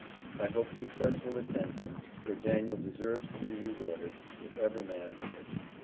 I hope success will attend him, for Daniel deserves to be rewarded, if ever man did.